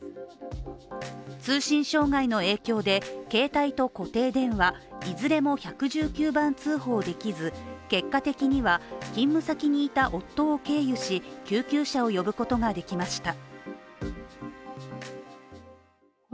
通信障害の影響で携帯と固定電話いずれも１１９番通報ができず、結果的には勤務先にいた夫を経由し救急車を呼ぶことができました。